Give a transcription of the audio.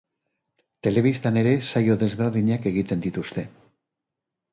Telebistan ere saio desberdinak egin dituzte.